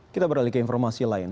kita beralih ke informasi lain